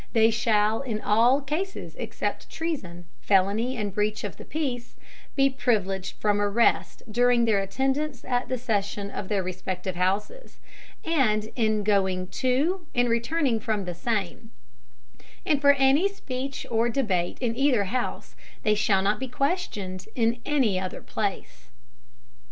They shall in all Cases, except Treason, Felony and Breach of the Peace, be privileged from Arrest during their Attendance at the Session of their respective Houses, and in going to and returning from the same; and for any Speech or Debate in either House, they shall not be questioned in any other Place.